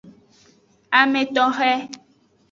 Ame toxe.